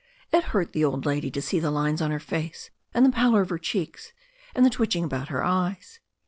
It hurt the old lady to see the lines on her face and the pallor of her cheeks and the twitching about her eyes.